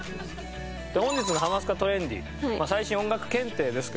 で本日のハマスカトレンディ最新音楽検定ですけども